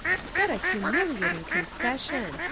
"What a humiliating confession!"